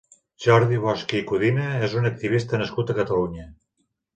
Jordi Bosch i Codina és un activista nascut a Catalunya.